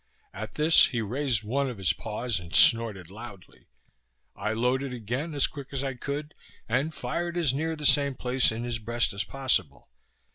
At this he raised one of his paws and snorted loudly. I loaded again as quick as I could, and fired as near the same place in his breast as possible.